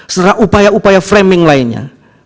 serta upaya upaya framing lainnya